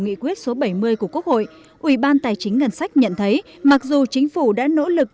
theo yêu cầu của nghị quyết số bảy mươi của quốc hội ubnd nhận thấy mặc dù chính phủ đã nỗ lực